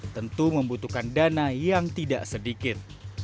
tentu membutuhkan dana yang tidak sedikit